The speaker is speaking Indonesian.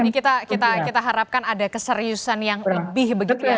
ini kita harapkan ada keseriusan yang lebih begitu ya